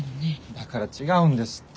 だから違うんですって。